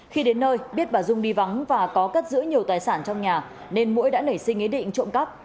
khi đến nơi biết bà dung đi vắng và có cất giữ nhiều tài sản trong nhà nên mũi đã nảy sinh ý định trộm cắp